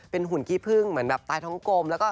เป็นหุ่นคีพึ่งเหมือนตายท้องกลม